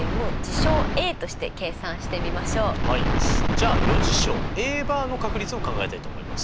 じゃあ余事象Ａバーの確率を考えたいと思います。